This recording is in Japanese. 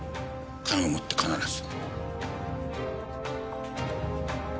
金を持って必ず。